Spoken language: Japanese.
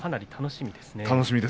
楽しみですね。